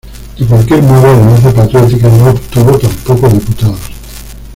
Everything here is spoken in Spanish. De cualquier modo, Alianza Patriótica no obtuvo tampoco diputados.